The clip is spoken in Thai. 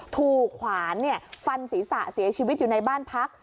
ขวานฟันศีรษะเสียชีวิตอยู่ในบ้านพัก